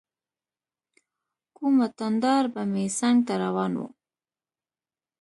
کوم وطن دار به مې څنګ ته روان و.